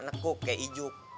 nekuk kayak ijuk